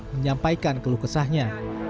menyampaikan keluh kesahnya